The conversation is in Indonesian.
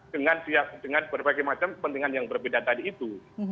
dengan berbagai macam kepentingan yang berbeda tadi itu